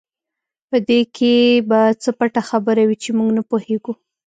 په دې کې به څه پټه خبره وي چې موږ نه پوهېږو.